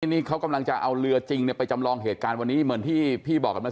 นี่เขากำลังจะเอาเรือจริงไปจำลองเหตุการณ์วันนี้เหมือนที่พี่บอกกันเมื่อ